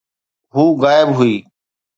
هوءَ غائب هئي.